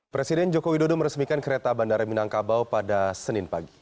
presiden joko widodo meresmikan kereta bandara minangkabau pada senin pagi